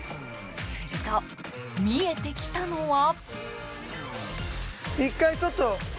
すると、見えてきたのは。